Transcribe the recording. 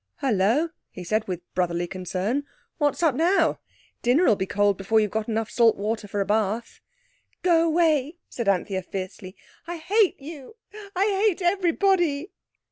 "Hullo!" he said, with brotherly concern, "what's up now? Dinner'll be cold before you've got enough salt water for a bath." "Go away," said Anthea fiercely. "I hate you! I hate everybody!"